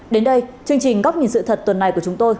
đến đây chương trình góc nhìn sự thật tuần này của chúng tôi